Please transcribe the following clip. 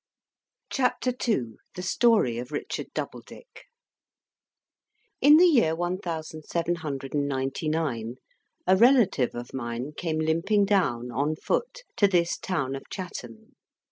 CHAPTER II THE STORY OF RICHARD DOUBLEDICK In the year one thousand seven hundred and ninety nine, a relative of mine came limping down, on foot, to this town of Chatham.